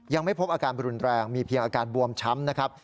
ยังไม่พบอาการรุนแรงมีเพียงอาการบวมช้ำนะครับ